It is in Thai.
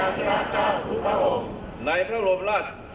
ต่อพระมหากษัตริยาทิราชเจ้าทุกพระองค์